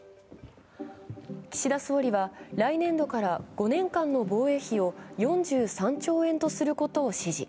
岸田総理は来年度から５年間の防衛費を４３兆円とすることを指示。